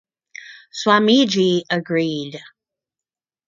Swamiji agreed.